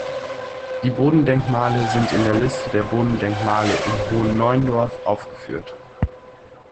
Die Bodendenkmale sind in der Liste der Bodendenkmale in Hohen Neuendorf aufgeführt.